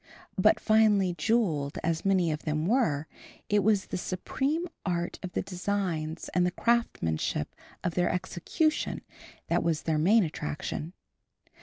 But finely jewelled as many of them were, it was the supreme art of the designs and the craftsmanship of their execution that was their main attraction.